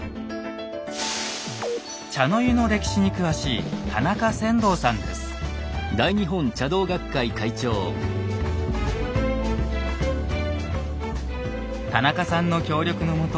茶の湯の歴史に詳しい田中さんの協力のもと